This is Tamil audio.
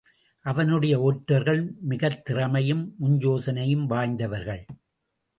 அவனுடைய ஒற்றர்கள் மிகத் திறமையும் முன்யோசனையும் வாய்ந்தவர்கள்.